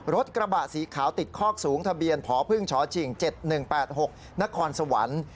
รถกระบะสีขาวติดคอกสูงทะเบียนพพช๗๑๘๖นครสวรรค์